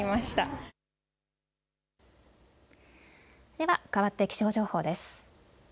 ではかわって気象情報です。